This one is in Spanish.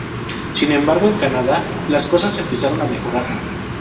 Sin embargo, en Canadá, las cosas empezaron a mejorar.